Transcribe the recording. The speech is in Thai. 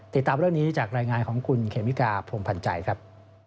ติดตามเรื่องนี้จากรายงานของคุณเคมิกาพรมพันธ์ใจครับ